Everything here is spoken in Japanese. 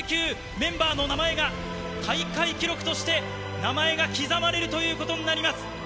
メンバーの名前が大会記録として名前が刻まれるということになります。